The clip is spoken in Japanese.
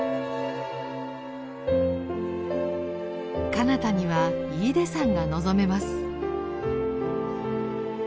かなたには飯豊山が望めます。